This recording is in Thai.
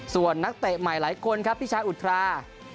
ส่วนนักเตะใหม่หลายคนครับพี่ชายอุทรา